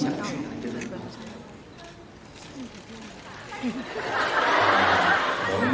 อ๋อใช่ใช่ใช่